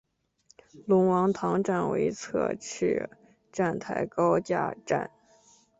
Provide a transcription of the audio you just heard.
龙王塘站为侧式站台高架站。